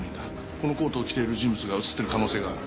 このコートを着ている人物が映っている可能性がある。